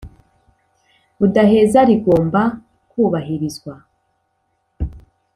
budaheza rigomba ku bahirizwa,